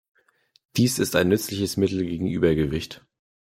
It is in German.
Dies ist ein nützliches Mittel gegen Übergewicht.